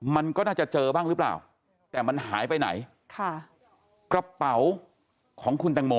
มันก็น่าจะเจอบ้างหรือเปล่าแต่มันหายไปไหนค่ะกระเป๋าของคุณแตงโม